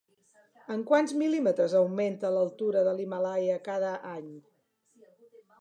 En quants mil·límetres augmenta l'altura de l'Himàlaia cada any?